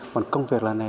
còn công việc là này